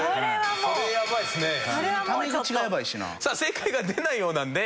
さあ正解が出ないようなので。